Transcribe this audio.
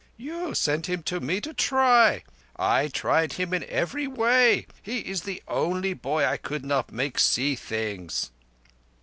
You sent him to me to try. I tried him in every way: he is the only boy I could not make to see things."